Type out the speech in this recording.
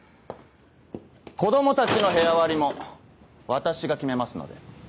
子供たちの部屋割りも私が決めますので。